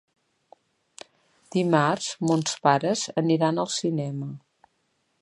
Dimarts mons pares aniran al cinema.